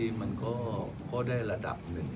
ครีมก็ดีอะไรก็ดีมันก็ได้ระดับหนึ่ง